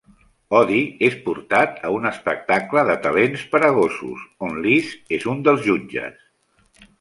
Odie és portat a un espectacle de talents per a gossos, on Liz és un dels jutges.